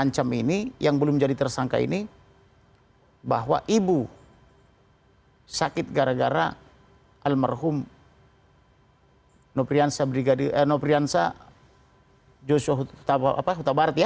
pengancam ini yang belum jadi tersangka ini bahwa ibu sakit gara gara almarhum noprian sajjuswa kutabarat